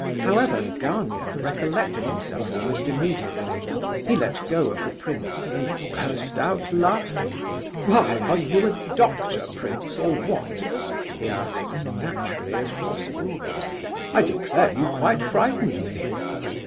However, Gania recollected himself almost immediately. He let go of the prince and burst out laughing. "Why, are you a doctor, prince, or what?" he asked, as naturally as possible. "I declare you quite frightened me!